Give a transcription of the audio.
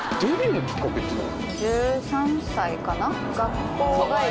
１３歳かな？